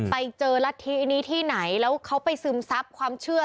ไปเจอรัฐธินี้ที่ไหนแล้วเขาไปซึมซับความเชื่อ